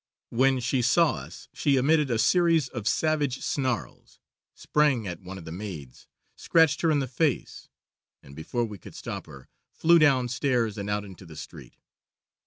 When she saw us she emitted a series of savage snarls, sprang at one of the maids, scratched her in the face, and before we could stop her, flew downstairs and out into the street.